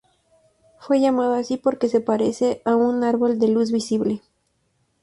Fue llamado así porque se parece a un árbol en luz visible.